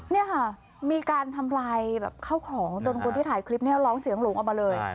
นี่ค่ะมีการทำลายข้าวของจนคนที่ถ่ายคลิปนี้ร้องเสียงหลงออกมาเลย